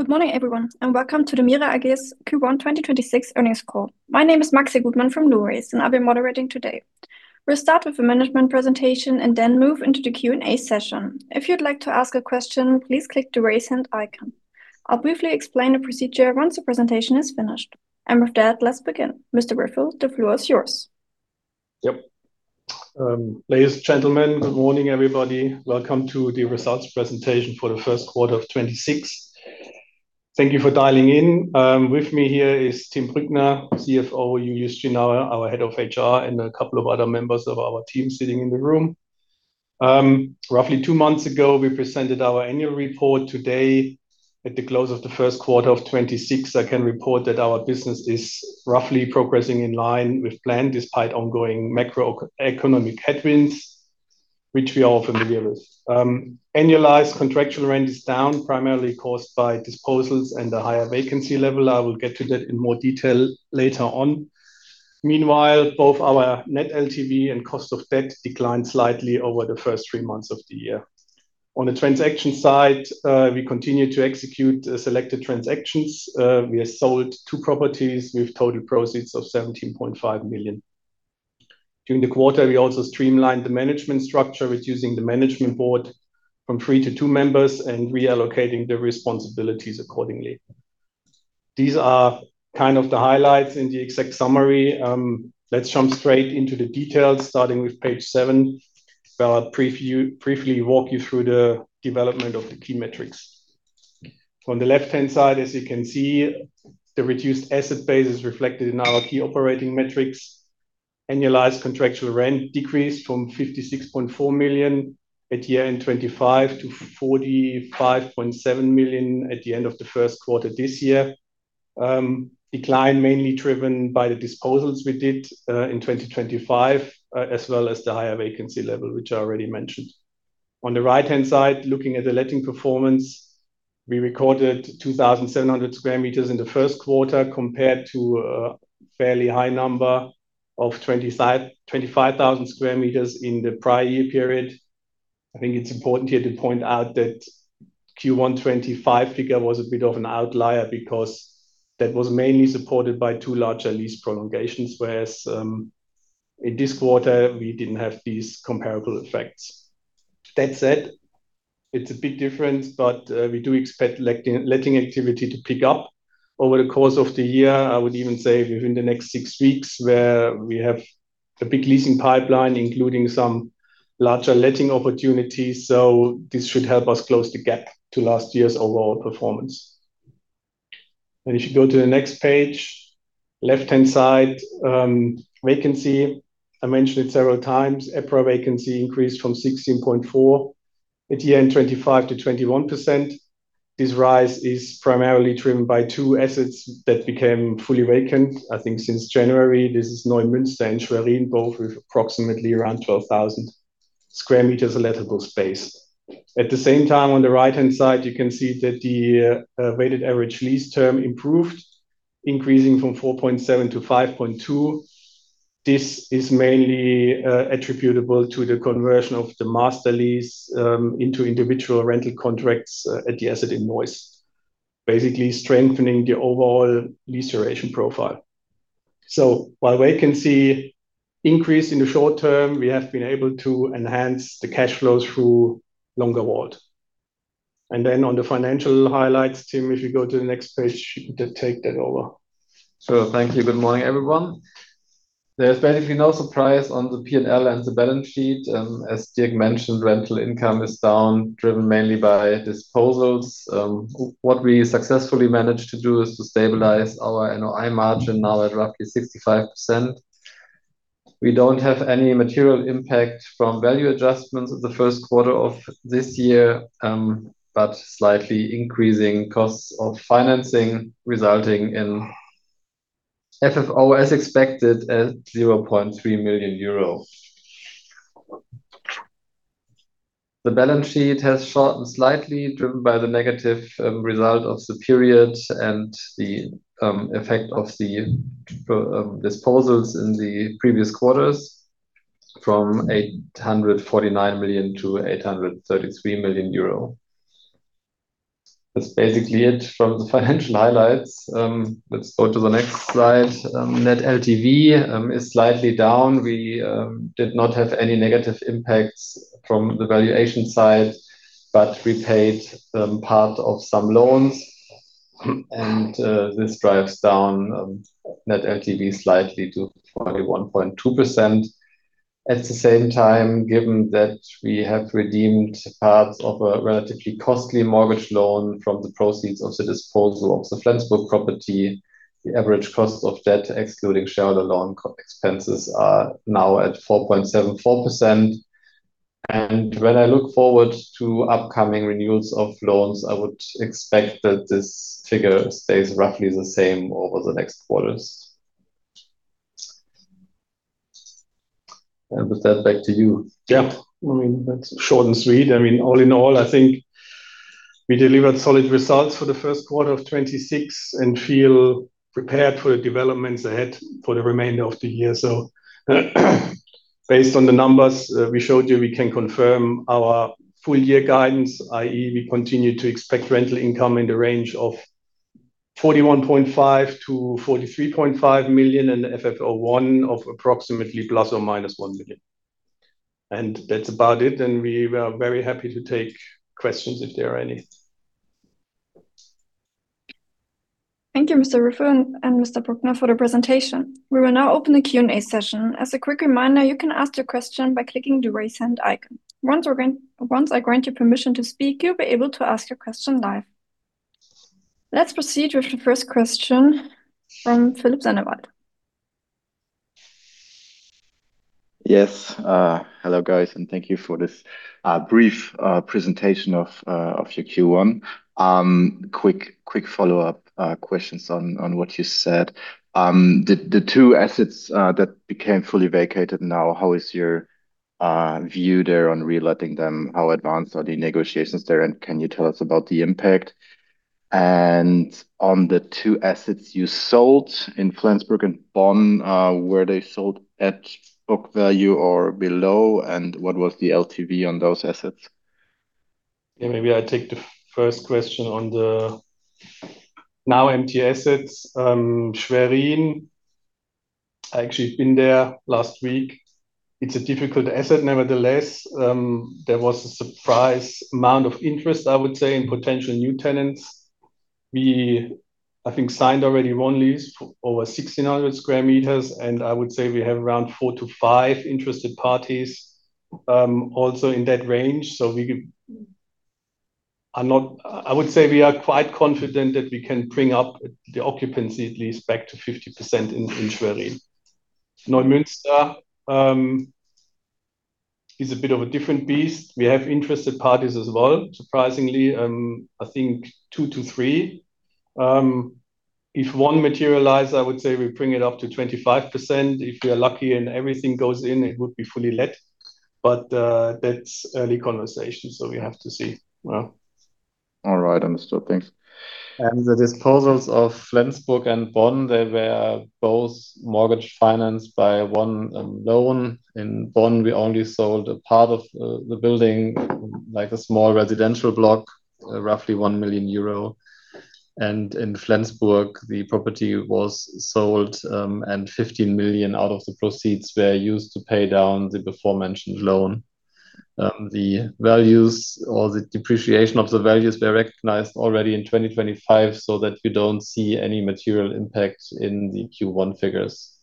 Good morning, everyone, and welcome to the DEMIRE AG's Q1 2026 earnings call. My name is Maxi Goodman from Lumi, and I'll be moderating today. We'll start with a management presentation and then move into the Q&A session. If you'd like to ask a question, please click the Raise Hand icon. I'll briefly explain the procedure once the presentation is finished. With that, let's begin. Mr. Rüffel, the floor is yours. Ladies, gentlemen, good morning, everybody. Welcome to the results presentation for the first quarter of 2026. Thank you for dialing in. With me here is Tim Brückner, CFO, Adrijana Glibic, our Head of HR, and a couple of other members of our team sitting in the room. Roughly two months ago, we presented our annual report. Today, at the close of the first quarter of 2026, I can report that our business is roughly progressing in line with plan despite ongoing macroeconomic headwinds, which we are all familiar with. Annualized contractual rent is down primarily caused by disposals and the higher vacancy level. I will get to that in more detail later on. Meanwhile, both our Net LTV and cost of debt declined slightly over the first three months of the year. On the transaction side, we continue to execute selected transactions. We have sold two properties with total proceeds of 17.5 million. During the quarter, we also streamlined the management structure, reducing the management board from three to two members and reallocating the responsibilities accordingly. These are kind of the highlights in the exec summary. Let's jump straight into the details, starting with page seven. Where I'll briefly walk you through the development of the key metrics. On the left-hand side, as you can see, the reduced asset base is reflected in our key operating metrics. Annualized contractual rent decreased from 56.4 million at year-end 2025 to 45.7 million at the end of the first quarter this year. Decline mainly driven by the disposals we did in 2025, as well as the higher vacancy level, which I already mentioned. On the right-hand side, looking at the letting performance, we recorded 2,700 sq m in the first quarter compared to a fairly high number of 25,000 sq m in the prior-year period. I think it's important here to point out that Q1 2025 figure was a bit of an outlier because that was mainly supported by two larger lease prolongations, whereas in this quarter, we didn't have these comparable effects. That said, it's a big difference, but we do expect letting activity to pick up over the course of the year. I would even say within the next six weeks, where we have a big leasing pipeline, including some larger letting opportunities. This should help us close the gap to last year's overall performance. If you go to the next page, left-hand side, vacancy. I mentioned it several times. EPRA vacancy increased from 16.4 at year-end 2025 to 21%. This rise is primarily driven by two assets that became fully vacant. I think since January, this is Neumünster and Schwerin, both with approximately around 12,000 sq m lettable space. At the same time, on the right-hand side, you can see that the weighted average lease term improved, increasing from 4.7 to 5.2. This is mainly attributable to the conversion of the master lease into individual rental contracts at the asset in Neuss, basically strengthening the overall lease duration profile. While vacancy increase in the short term, we have been able to enhance the cash flow through longer WALT. On the financial highlights, Tim, if you go to the next page, you can take that over. Thank you. Good morning, everyone. There's basically no surprise on the P&L and the balance sheet. As Dirk mentioned, rental income is down, driven mainly by disposals. What we successfully managed to do is to stabilize our NOI margin now at roughly 65%. We don't have any material impact from value adjustments in the first quarter of this year, but slightly increasing costs of financing, resulting in FFO, as expected, at 0.3 million euro. The balance sheet has shortened slightly, driven by the negative result of the period and the effect of the disposals in the previous quarters from 849 million to 833 million euro. That's basically it from the financial highlights. Let's go to the next slide. Net LTV is slightly down. We did not have any negative impacts from the valuation side, but we paid part of some loans, and this drives down net LTV slightly to 41.2%. At the same time, given that we have redeemed parts of a relatively costly mortgage loan from the proceeds of the disposal of the Flensburg property, the average cost of debt, excluding shareholder loan co-expenses, are now at 4.74%. When I look forward to upcoming renewals of loans, I would expect that this figure stays roughly the same over the next quarters. With that, back to you. Yeah. I mean, that's short and sweet. I mean, all in all, I think we delivered solid results for the first quarter of 2026 and feel prepared for the developments ahead for the remainder of the year. Based on the numbers, we showed you, we can confirm our full year guidance, i.e., we continue to expect rental income in the range of 41.5 million-43.5 million in FFO, 1 of approximately ±1 million. That's about it. We are very happy to take questions if there are any. Thank you, Mr. Rüffel and Mr. Brückner for the presentation. We will now open the Q&A session. As a quick reminder, you can ask your question by clicking the Raise Hand icon. Once I grant you permission to speak, you'll be able to ask your question live. Let's proceed with the first question from Philipp Sennewald. Yes. Hello, guys, and thank you for this brief presentation of your Q1. Quick follow-up questions on what you said. The two assets that became fully vacated now, how is your view there on reletting them? How advanced are the negotiations there? Can you tell us about the impact? On the two assets you sold in Flensburg and Bonn, were they sold at book value or below? What was the LTV on those assets? Yeah, maybe I take the first question on the now empty assets. Schwerin, I actually been there last week. It's a difficult asset. Nevertheless, there was a surprise amount of interest, I would say, in potential new tenants. We, I think, signed already one lease for over 1,600 sq m, and I would say we have around four to five interested parties also in that range. I would say we are quite confident that we can bring up the occupancy at least back to 50% in Schwerin. Neumünster is a bit of a different beast. We have interested parties as well, surprisingly, I think two to three. If one materialize, I would say we bring it up to 25%. If we are lucky and everything goes in, it would be fully let. That's early conversation, so we have to see. Well. All right. Understood. Thanks. The disposals of Flensburg and Bonn, they were both mortgage financed by one loan. In Bonn, we only sold a part of the building, like a small residential block, roughly 1 million euro. In Flensburg, the property was sold, and 15 million out of the proceeds were used to pay down the before mentioned loan. The values or the depreciation of the values were recognized already in 2025, so that we don't see any material impact in the Q1 figures.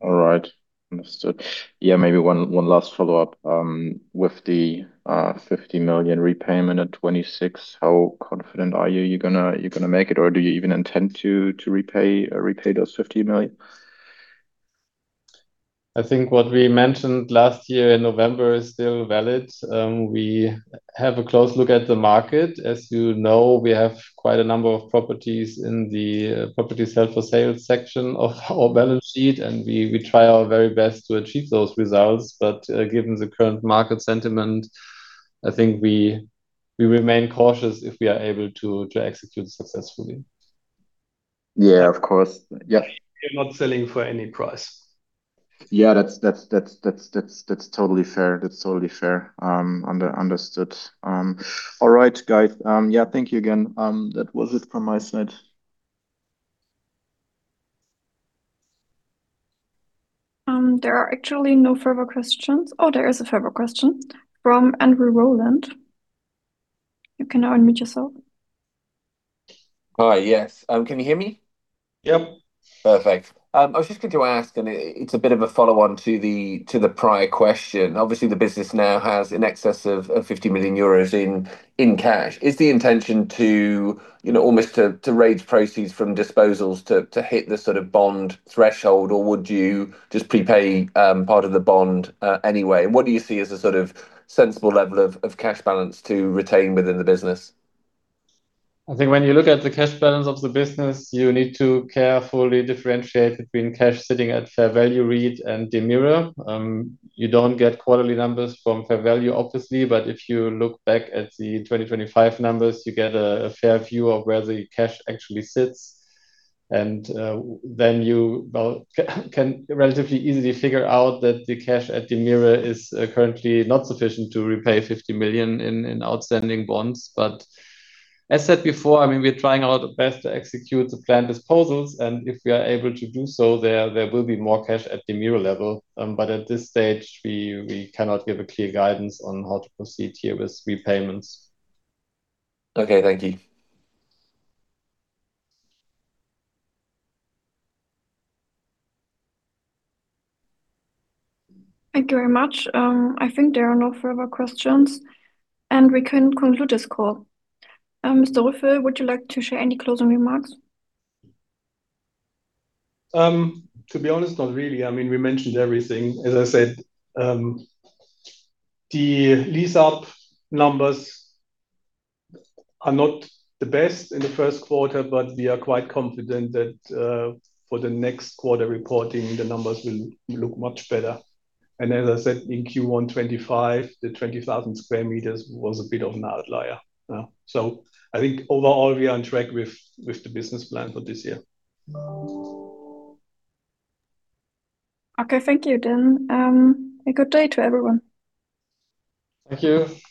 All right. Understood. Yeah, maybe one last follow-up. With the 50 million repayment at 2026, how confident are you you're gonna make it or do you even intend to repay those 50 million? I think what we mentioned last year in November is still valid. We have a close look at the market. As you know, we have quite a number of properties in the property sell for sale section of our balance sheet, and we try our very best to achieve those results. Given the current market sentiment, I think we remain cautious if we are able to execute successfully. Yeah, of course. Yeah. We're not selling for any price. Yeah, that's totally fair. That's totally fair. Understood. All right, guys, yeah, thank you again. That was it from my side. There are actually no further questions. There is a further question from [Andrew Rowland]. You can now unmute yourself. Hi. Yes. Can you hear me? Yep. Perfect. I was just going to ask, it's a bit of a follow on to the prior question. Obviously, the business now has in excess of 50 million euros in cash. Is the intention to, you know, almost to raise proceeds from disposals to hit the sort of bond threshold, or would you just prepay part of the bond anyway? What do you see as a sort of sensible level of cash balance to retain within the business? I think when you look at the cash balance of the business, you need to carefully differentiate between cash sitting at Fair Value REIT-AG and DEMIRE. You don't get quarterly numbers from Fair Value, obviously, if you look back at the 2025 numbers, you get a fair view of where the cash actually sits. Then you, well, can relatively easily figure out that the cash at DEMIRE is currently not sufficient to repay 50 million in outstanding bonds. As said before, I mean, we're trying our best to execute the planned disposals, and if we are able to do so, there will be more cash at DEMIRE level. At this stage, we cannot give a clear guidance on how to proceed here with repayments. Okay. Thank you. Thank you very much. I think there are no further questions, and we can conclude this call. Mr. Rüffel, would you like to share any closing remarks? To be honest, not really. I mean, we mentioned everything. As I said, the lease-up numbers are not the best in the first quarter, but we are quite confident that for the next quarter reporting, the numbers will look much better. As I said, in Q1 2025, the 20,000 sq m was a bit of an outlier. So I think overall, we are on track with the business plan for this year. Okay. Thank you then. A good day to everyone. Thank you. Bye.